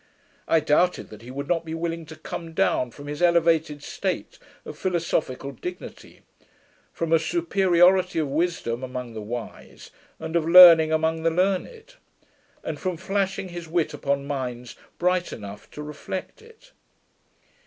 I doubted that he would not be willing to come down from his elevated state of philosophical dignity; from a superiority of wisdom among the wise, and of learning among the learned; and from flashing his wit upon minds bright enough to reflect it.